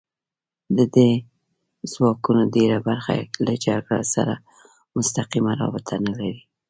د دې ځواکونو ډېره برخه له جګړې سره مستقیمه رابطه نه لري